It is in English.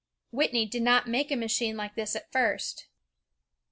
Whitney did not make a machine like this at first.